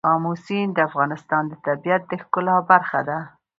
آمو سیند د افغانستان د طبیعت د ښکلا برخه ده.